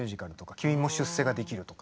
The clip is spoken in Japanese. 「君も出世ができる」とか。